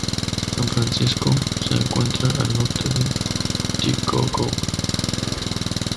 San Francisco se encuentra al norte de Tixkokob.